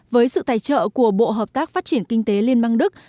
với sự tài trợ của bộ hợp tác phát triển kinh tế liên bang đức